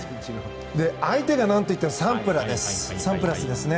相手が、何といってもサンプラスですね。